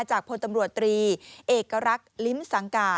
พลตำรวจตรีเอกรักษ์ลิ้มสังกา